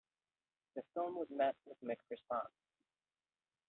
The film was met with mixed response.